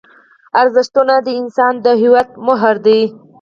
ارزښتونه د انسان د هویت محور دي.